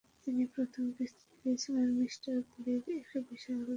তিনি " প্রথম কিস্তি দিয়েছিলেন" মিঃ গ্রিলির এক বিশাল শোডাউন।